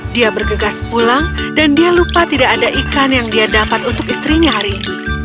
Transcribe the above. dia bergegas pulang dan dia lupa tidak ada ikan yang dia dapat untuk istrinya hari ini